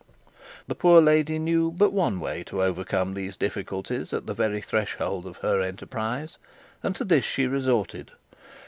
The poor lady knew but one way to overcome these difficulties at the very threshold of her enterprise, and to this she resorted.